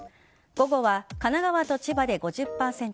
午後は神奈川と千葉で５０％